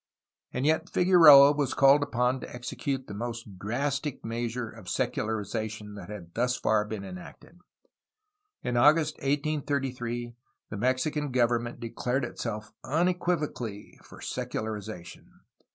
And yet Figueroa was called upon to execute the most drastic measure of secularization that had thus far been enacted. In August 1833 the Mexican government declared itself unequivocally for secularization.